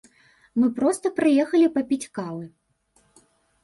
Мы проста прыехалі папіць кавы!